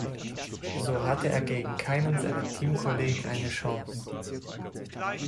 So hatte er gegen keinen seiner Teamkollegen eine Chance.